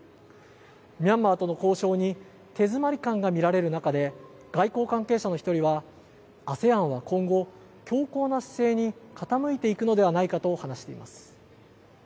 ミャンマーとの交渉に手詰まり感が見られる中で外交関係者の１人はＡＳＥＡＮは今後、強硬な姿勢に傾いていくのではないかと話しています。